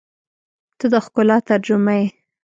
• ته د ښکلا ترجمه یې.